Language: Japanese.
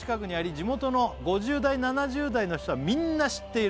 「地元の５０代７０代の人はみんな知っている」